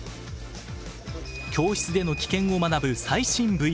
教室での危険を学ぶ最新ＶＲ。